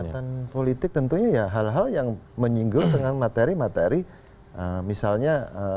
kekuatan politik tentunya ya hal hal yang menyinggung dengan materi materi misalnya